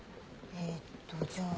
えっとじゃあ。